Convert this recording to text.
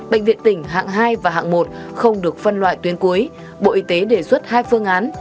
bệnh viện tỉnh hạng hai và hạng một không được phân loại tuyến cuối bộ y tế đề xuất hai phương án